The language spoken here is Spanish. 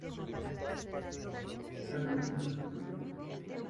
El primero tuvo lugar en junio en el Stork Club en Oakland, California.